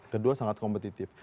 kedua sangat kompetitif